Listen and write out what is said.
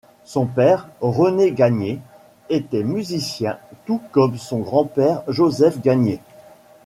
Son père, René Gagnier, était musicien tout comme son grand-père, Joseph Gagnier.